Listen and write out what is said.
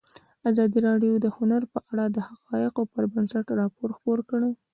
ازادي راډیو د هنر په اړه د حقایقو پر بنسټ راپور خپور کړی.